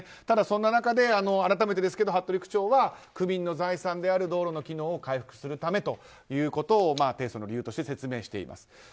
ただ、そんな中で改めて服部区長は区民の財産である道路の機能を回復するためと提訴の理由として説明しています。